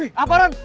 wih apa ron